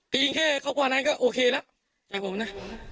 ไปยิงแค่เขากว่านั้นก็โอเคละจ่าผมนะ